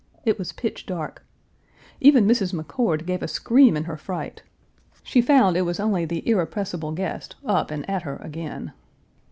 It was pitch dark. Even Mrs. McCord gave a scream in her fright. She found it was only the irrepressible guest up Page 338 and at her again.